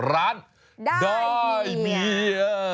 ร้านได้เมีย